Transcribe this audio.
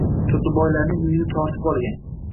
Turdiboylarning uyini tortib olgan